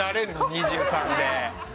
２３で。